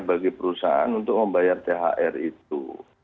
bagi perusahaan untuk membayar thr itu